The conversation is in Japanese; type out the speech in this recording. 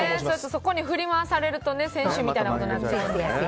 そこに振り回されると先週みたいなことになるので。